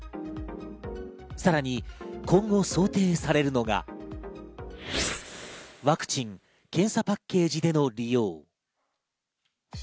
さらに今後、想定されるのがワクチン・検査パッケージでの利用。